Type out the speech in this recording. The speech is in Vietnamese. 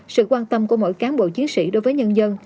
sự quan tâm của mỗi cán bộ chiến sĩ đối với nhân dân